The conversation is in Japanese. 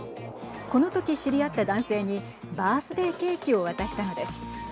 このとき知り合った男性にバースデーケーキを渡したのです。